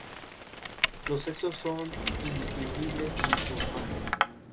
Las dos especies poseen cola prensil usada para la locomoción y para suspenderse.